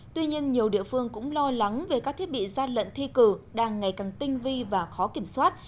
tuy nhiên nhiều địa phương cũng lo lắng về các thiết bị gian lận thi cử đang ngày càng tinh vi và khó kiểm soát